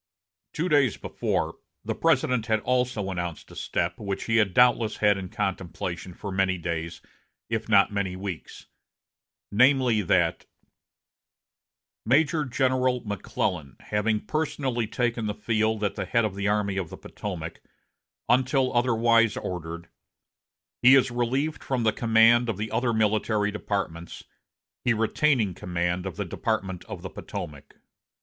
Two days before, the President had also announced a step which he had doubtless had in contemplation for many days, if not many weeks, namely, that "Major General McClellan having personally taken the field at the head of the Army of the Potomac, until otherwise ordered, he is relieved from the command of the other military departments, he retaining command of the Department of the Potomac."